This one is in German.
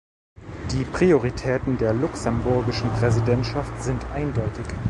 Die Prioritäten der luxemburgischen Präsidentschaft sind eindeutig.